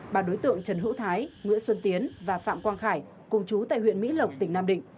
bà đối tượng trần hữu thái nguyễn xuân tiến và phạm quang khải cùng chú tại huyện mỹ lộc tỉnh nam định